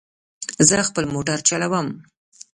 زه خپل موټر چلوم